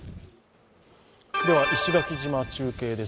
では、石垣島、中継です。